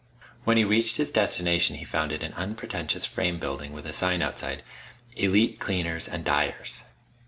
When he reached his destination he found it an unpretentious frame building with a sign outside: "Elite Cleaners and Dyers."